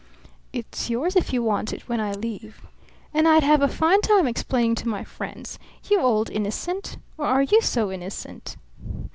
"It's yours if you want it when I leave." "And I'd have a fine time explaining to my friends! You old innocent! ... Or are you so innocent?"